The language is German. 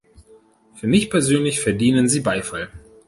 Für mich persönlich verdienen sie Beifall.